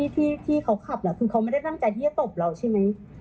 ที่เขาขับคือเขาไม่ได้ตั้งใจที่จะตบเราใช่ไหม